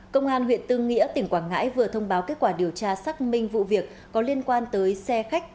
công an huyện tư nghĩa tỉnh quảng ngãi vừa thông báo kết quả điều tra xác minh vụ việc có liên quan tới xe khách